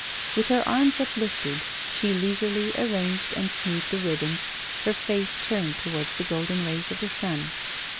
With her arms uplifted, she leisurely arranged and smoothed the ribbons, her face turned towards the golden rays of the sun.